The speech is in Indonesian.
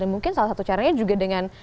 mungkin salah satu caranya juga dengan